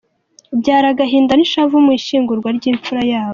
Byari agahinda n’ishavu mu ishyingurwa ry’imfura yabo.